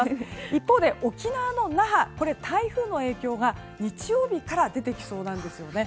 一方で沖縄の那覇は台風の影響が日曜日から出てきそうなんですよね。